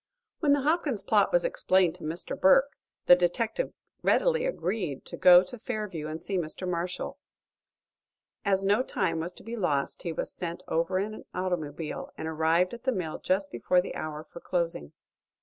When the Hopkins plot was explained to Mr. Burke, the detective readily agreed to go to Fairview and see Mr. Marshall. As no time was to be lost he was sent over in an automobile, and arrived at the mill just before the hour for closing.